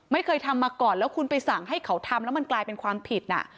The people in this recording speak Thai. ไม่เคยทำมาก่อนแล้วคุณไปสั่งให้เขาทำแล้วมันกลายเป็นความผิดน่ะ